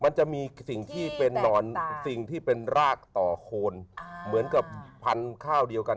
มันจะมีสิ่งที่เป็นรากต่อโคนเหมือนกับพันธุ์ข้าวเดียวกัน